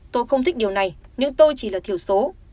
tôi không thích điều này nếu tôi chỉ là thiểu số